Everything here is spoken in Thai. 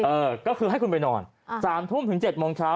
เออก็คือให้คุณไปนอน๓ทุ่มถึง๗โมงเช้า